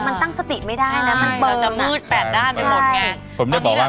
แม่บ้านประจันบัน